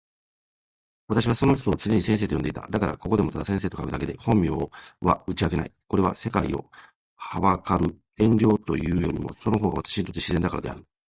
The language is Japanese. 私はその人を常に先生と呼んでいた。だから、ここでもただ先生と書くだけで、本名は打ち明けない。これは、世界を憚る遠慮というよりも、その方が私にとって自然だからである。